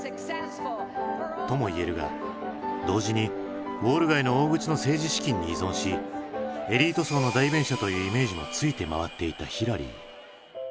とも言えるが同時にウォール街の大口の政治資金に依存しエリート層の代弁者というイメージもついて回っていたヒラリー。